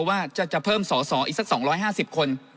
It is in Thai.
ว่าจะเพิ่มสอสออีกสัก๒๕๐คน